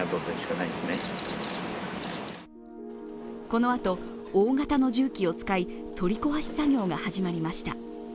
このあと、大型の重機を使い取り壊し作業が始まりました。